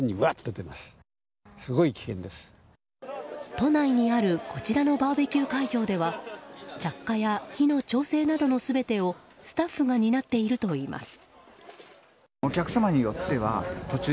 都内にあるこちらのバーベキュー会場では着火や火の調整などの全てをスタッフが担っているといいます。